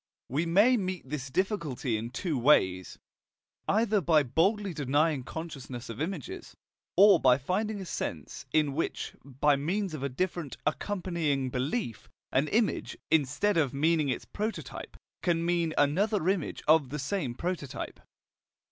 We may meet this difficulty in two ways, either by boldly denying consciousness of images, or by finding a sense in which, by means of a different accompanying belief, an image, instead of meaning its prototype, can mean another image of the same prototype.